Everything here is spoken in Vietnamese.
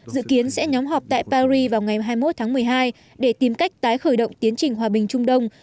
dự kiến sẽ nhóm họp tại paris vào ngày hai mươi một tháng một mươi hai để tìm cách tái khởi động tiến trình hòa bình trung đông